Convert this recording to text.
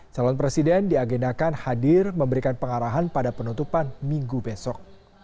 calon presiden diagendakan hadir memberikan pengarahan pada penutupan minggu besok